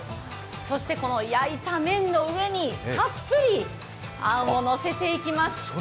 そして焼いた麺の上にたっぷりあんをのせていきます。